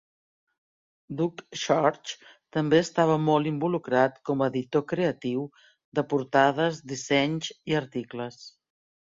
Doug Church també estava molt involucrat com a 'editor creatiu' de portades, dissenys i articles.